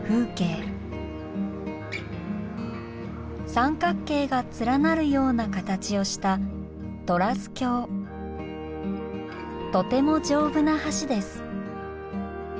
三角形が連なるような形をしたとてもじょうぶな橋です。